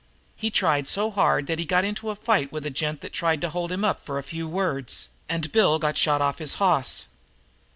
He tried so hard that he got into a fight with a gent that tried to hold him up for a few words, and Bill got shot off his hoss."